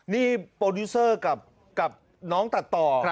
นี่โปรดิวเซอร์กับน้องตัดต่อ